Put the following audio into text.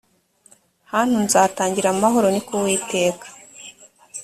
hantu nzahatangira amahoro ni ko uwiteka